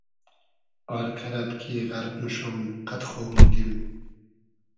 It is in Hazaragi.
آر کئرئد کی غئرق موشوم قئد خو موگیم